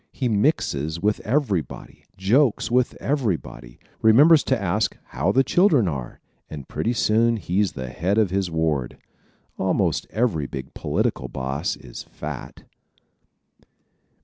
He mixes with everybody, jokes with everybody, remembers to ask how the children are and pretty soon he's the head of his ward. Almost every big political boss is fat.